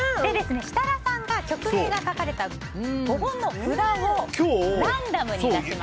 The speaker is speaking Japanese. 設楽さんが曲名が書かれた５本の札をランダムに出します。